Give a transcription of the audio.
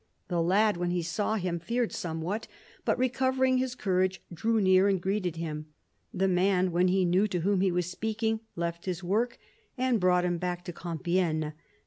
The lad, when he saw him, feared somewhat, but, recovering his courage, drew near and greeted him. The man, when he knew to whom he was speaking, left his work and brought him back to Compiegne.